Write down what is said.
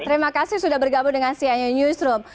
terima kasih sudah bergabung dengan sianya newsroom